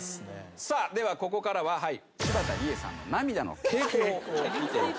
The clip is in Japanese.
さあではここからは柴田理恵さんの涙の傾向を見ていきましょう。